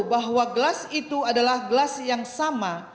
bahwa gelas itu adalah gelas yang sama